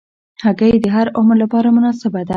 هګۍ د هر عمر لپاره مناسبه ده.